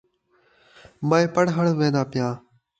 میں پڑھݨ ویندا پیاں